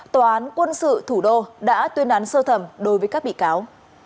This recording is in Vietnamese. tòa án quân sự thủ đô đã tuyên án sơ thẩm đối với các bị cáo